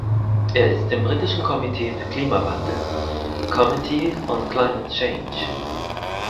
Er ist im britischen Komitee für Klimawandel (Committee on Climate Change).